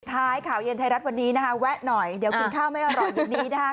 แล้วก็สุดท้ายข่าวเย็นเท่ารัฐวันนี้แว๊ะหน่อยเดี๋ยวกินข้าวไม่อร่อยอยู่นี้นะคะ